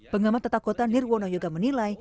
pengamat tata kota nirwono yoga menilai